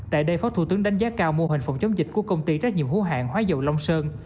tại đây phó thủ tướng đánh giá cao mô hình phòng chống dịch của công ty trách nhiệm hữu hạng hóa dầu long sơn